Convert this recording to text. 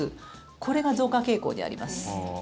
これが増加傾向にあります。